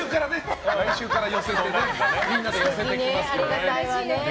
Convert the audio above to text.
来週からねみんなで寄せていきますからね。